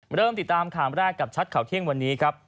เริ่มติดตามข่าวแรกกับชัดข่าวเที่ยงวันนี้ครับ